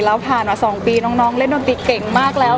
แล้วผ่านมา๒ปีน้องเล่นดนตรีเก่งมากแล้ว